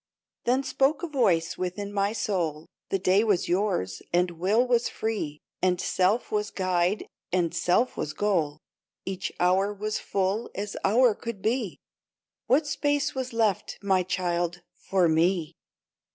i Then spoke a voice within my soul :" The day was yours, and will was free, And self was guide and self was goal, Each hour was full as hour could be What space was left, my child, for Me